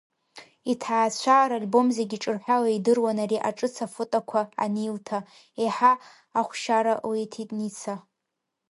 Иҭаацәа ральбом зегьы ҿырҳәала идыруан ари аҿыц афотоқәа анилҭа, еиҳа ахушьара лиҭеит Ница.